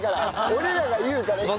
俺らが言うからいい。